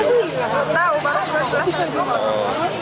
tidak tahu baru beras